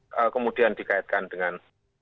kalau kemudian dikaitkan dengan